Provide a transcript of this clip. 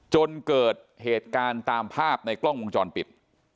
จนเกิดเหตุการณ์ตามภาพในกล้องวงจรปิด